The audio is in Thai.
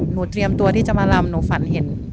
เตรียมตัวที่จะมาลำหนูฝันเห็น